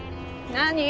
何？